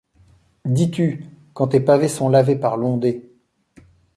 Dis-tu, quand tes pavés sont lavés par l’ondée :